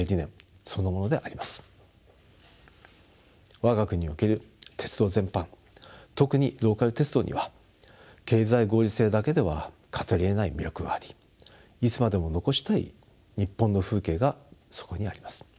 我が国における鉄道全般特にローカル鉄道には経済合理性だけでは語りえない魅力がありいつまでも残したい日本の風景がそこにあります。